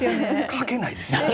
書けないですよね。